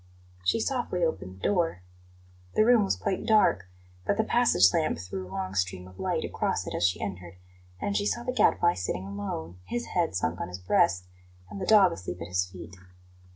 She softly opened the door. The room was quite dark, but the passage lamp threw a long stream of light across it as she entered, and she saw the Gadfly sitting alone, his head sunk on his breast, and the dog asleep at his feet.